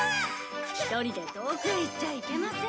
一人で遠くへ行っちゃいけません。